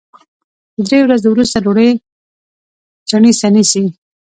د درې ورځو وروسته ډوډۍ چڼېسه نیسي